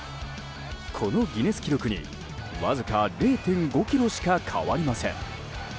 このギネス記録にわずか０．５キロしか変わりません。